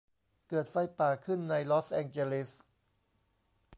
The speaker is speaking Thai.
เกิดไฟป่าขึ้นในลอสแองเจลิส